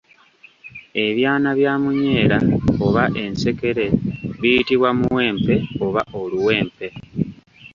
Ebyana bya munyeera oba ensekerere biyitibwa Muwempe oba Oluwempe.